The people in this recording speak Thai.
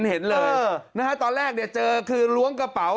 เห็นเลยตอนแรกหลวงกระเป๋า